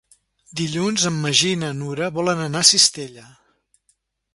Dilluns en Magí i na Nura volen anar a Cistella.